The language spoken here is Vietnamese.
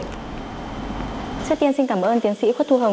trước tiên xin cảm ơn tiến sĩ khuất thu hồng